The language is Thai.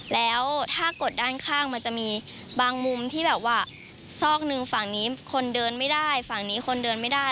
แล้วถ้ากดด้านข้างมันจะมีบางมุมที่แบบว่าซอกหนึ่งฝั่งนี้คนเดินไม่ได้ฝั่งนี้คนเดินไม่ได้